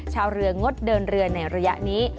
ชาวเรืองดเดินเรือในระยะนี้